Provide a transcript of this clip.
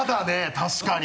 確かに。